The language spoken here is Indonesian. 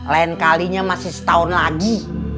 lain kalinya masih setahun lagi